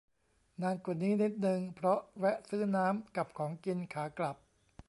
นานกว่านี้นิดนึง เพราะแวะซื้อน้ำกับของกินขากลับ